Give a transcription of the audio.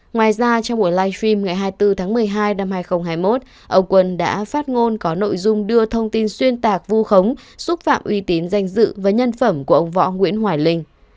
ngoài ra trong buổi live stream ngày hai mươi bốn tháng một mươi hai năm hai nghìn hai mươi một ông quân đã phát ngôn có nội dung đưa thông tin xuyên tạc vu khống xúc phạm uy tín danh dự và nhân phẩm của ông võ nguyễn hoài linh